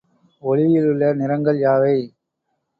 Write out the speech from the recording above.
ஒளியிலுள்ள நிறங்கள் யாவை?